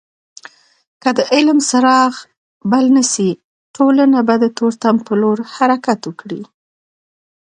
که د علم څراغ بل نسي ټولنه به د تورتم په لور حرکت وکړي.